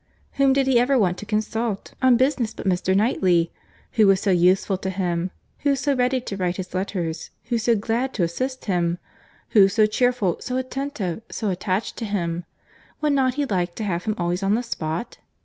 —Whom did he ever want to consult on business but Mr. Knightley?—Who was so useful to him, who so ready to write his letters, who so glad to assist him?—Who so cheerful, so attentive, so attached to him?—Would not he like to have him always on the spot?